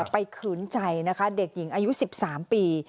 ไปขืนใจเด็กหญิงอายุ๑๓ปี